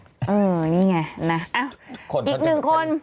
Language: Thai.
นี่ไงอีกหนึ่งคน